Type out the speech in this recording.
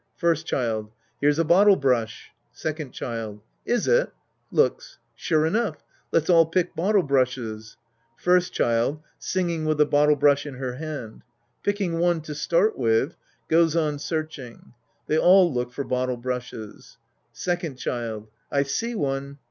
First Child. Here's a bottle brush. ' 1 ,, Second Child. Is it ? {Looks.) Sure enough. Let's all pick bottle brushes. First Child {singing with the bottle brush in her hand). Picking one to start with — {Goes on searching. They all look for bottle brushes^ Second Child. I see one.